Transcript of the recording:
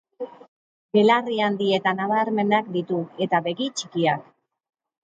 Belarri handi eta nabarmenak ditu, eta begi txikiak.